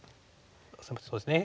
そうですね